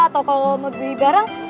atau kalau mau beli barang